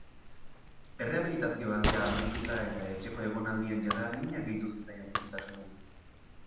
Errehabilitazio aldia amaituta eta etxeko egonaldian, jada, mina gehitu zitzaion ezintasunari.